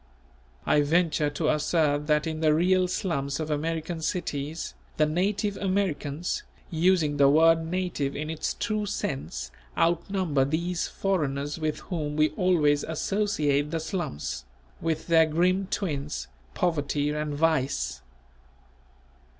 I venture to assert that in the real slums of American cities, the native Americans, using the word native in its true sense, outnumber these foreigners with whom we always associate the slums, with their grim twins Poverty and Vice.